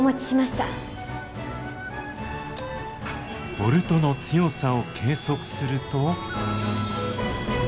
ボルトの強さを計測すると。